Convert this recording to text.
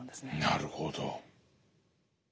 なるほど。